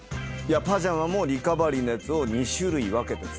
パジャマもリカバリーのやつを２種類分けて使う。